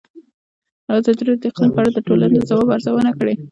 ازادي راډیو د اقلیم په اړه د ټولنې د ځواب ارزونه کړې.